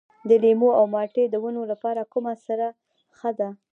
د لیمو او مالټې د ونو لپاره کومه سره ښه ده؟